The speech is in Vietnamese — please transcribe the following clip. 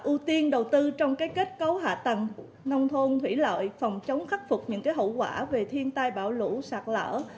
ưu tiên đầu tư trong kết cấu hạ tầng nông thôn thủy lợi phòng chống khắc phục những hậu quả về thiên tai bão lũ sạt lở